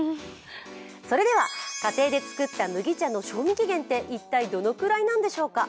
それでは家庭で作った麦茶の賞味期限って一体どのぐらいなんでしょうか？